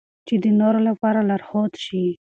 چې د نورو لپاره لارښود شي.